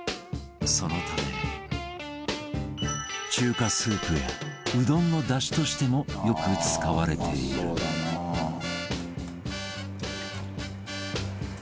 そのため中華スープやうどんのだしとしてもよく使われているバカリズム：うまそうだなあ。